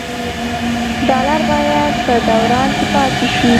ډالر باید په دوران کې پاتې شي.